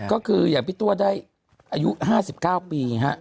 ก็คืออย่างพี่ตัวได้อายุ๕๙ปีฮะ